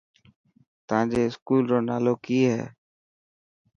تانجي اسڪوول رو نالو ڪي هي.